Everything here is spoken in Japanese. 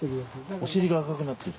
お尻が赤くなってる？